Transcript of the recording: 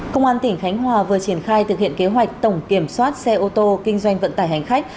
công an tỉnh khánh hòa vừa triển khai thực hiện kế hoạch tổng kiểm soát xe ô tô kinh doanh vận tải hành khách